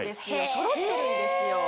そろってるんですよ。